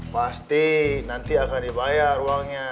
pasti nanti akan dibayar uangnya